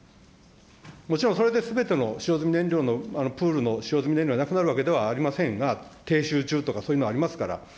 もちろん、それですべての使用済み燃料の、プールの使用済み燃料がなくなるわけではありませんが、とか、そういうのはありますから。